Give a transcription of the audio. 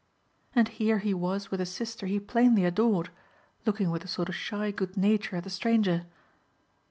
And here he was with a sister he plainly adored, looking with a sort of shy good nature at the stranger.